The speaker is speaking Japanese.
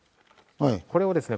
これをですね